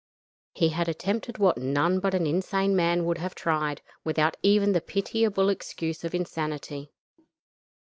He had attempted what none but an insane man would have tried, without even the pitiable excuse of insanity.